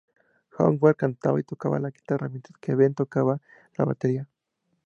Howard cantaba y tocaba la guitarra, mientras que Ben tocaba la batería.